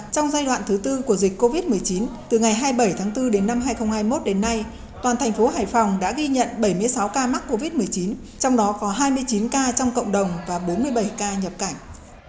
trong giai đoạn thứ tư của dịch covid một mươi chín từ ngày hai mươi bảy tháng bốn đến năm hai nghìn hai mươi một đến nay toàn thành phố hải phòng đã ghi nhận bảy mươi sáu ca mắc covid một mươi chín trong đó có hai mươi chín ca trong cộng đồng và bốn mươi bảy ca nhập cảnh